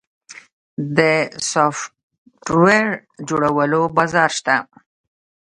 د سافټویر جوړولو بازار شته؟